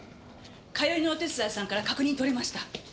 通いのお手伝いさんから確認取れました。